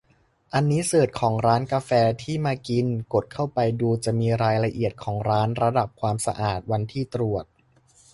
อันนี้เสิร์ชของร้านกาแฟที่มากิน กดเข้าไปดูจะมีรายละเอียดของร้าน ระดับความสะอาด วันที่ตรวจ